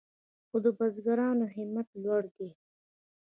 خو د بزګرانو همت لوړ دی.